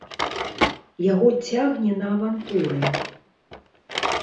Яго цягне на авантуры.